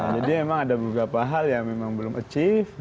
jadi memang ada beberapa hal yang memang belum achieve